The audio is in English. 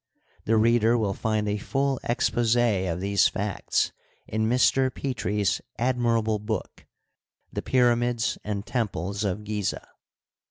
The reader will find a full exposi of these facts in Mr. Petrie's admirable book, "The Pyramids and Temples of Gizeh."